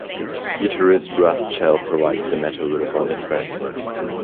Guitarist Russ Chell provides the metal riff on the track.